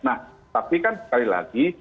nah tapi kan sekali lagi